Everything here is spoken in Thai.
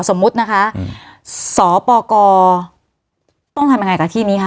สมมุตินะคะสปกรต้องทำยังไงกับที่นี้คะ